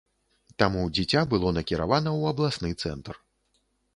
Таму дзіця было накіравана ў абласны цэнтр.